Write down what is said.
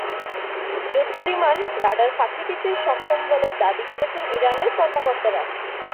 যুদ্ধবিমান রাডার ফাঁকি দিতে সক্ষম বলে দাবি করেছে ইরানের কর্মকর্তারা।